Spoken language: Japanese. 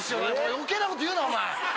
余計なこと言うなお前！